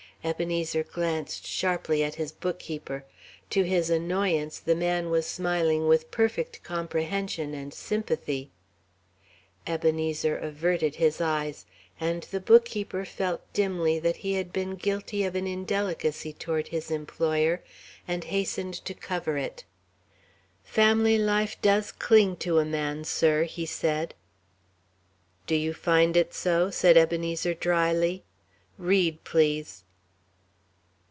Ebenezer glanced sharply at his bookkeeper. To his annoyance, the man was smiling with perfect comprehension and sympathy. Ebenezer averted his eyes, and the bookkeeper felt dimly that he had been guilty of an indelicacy toward his employer, and hastened to cover it. "Family life does cling to a man, sir," he said. "Do you find it so?" said Ebenezer, dryly. "Read, please."